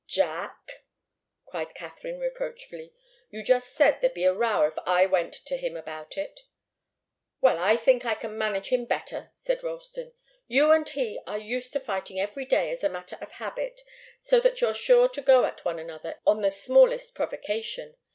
"Jack!" cried Katharine, reproachfully. "You just said there'd be a row if I went to him about it." "Well I think I can manage him better," said Ralston. "You and he are used to fighting every day as a matter of habit, so that you're sure to go at each other on the smallest provocation.